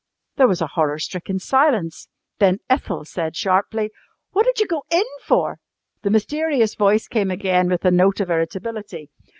There was a horror stricken silence. Then Ethel said sharply: "What did you go in for?" The mysterious voice came again with a note of irritability.